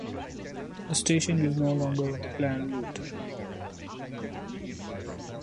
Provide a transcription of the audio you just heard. The station is no longer on the planned route.